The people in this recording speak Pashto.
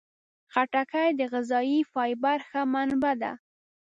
خټکی د غذايي فایبر ښه منبع ده.